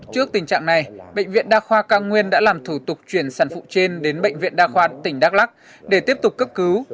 trước tình trạng này bệnh viện đa khoa cao nguyên đã làm thủ tục chuyển sản phụ trên đến bệnh viện đa khoa tỉnh đắk lắc để tiếp tục cấp cứu